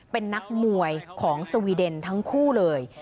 เป็นนักมวยของสวีเดนทั้งคู่เลย